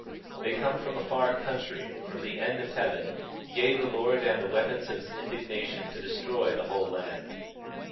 23:5 They come from a far country, from the end of heaven, yea, the Lord, and the weapons of his indignation, to destroy the whole land.